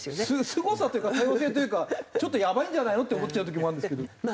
すごさというか多様性というかちょっとやばいんじゃないのって思っちゃう時もあるんですけど。